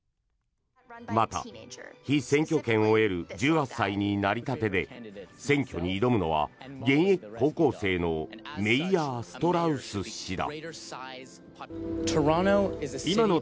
また、被選挙権を得る１８歳になりたてで選挙に挑むのは、現役高校生のメイヤー・ストラウス氏だ。